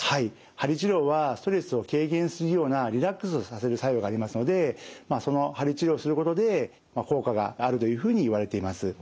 鍼治療はストレスを軽減するようなリラックスをさせる作用がありますのでその鍼治療をすることで効果があるというふうにいわれています。